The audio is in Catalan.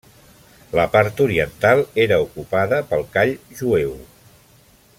La part oriental era ocupada pel call jueu.